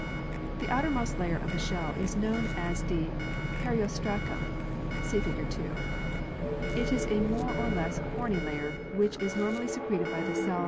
The outermost layer of the shell is known as the Periostracum (see fig. 2). It is a more or less horny layer which is normally secreted by the cells of the P PflS H Fig.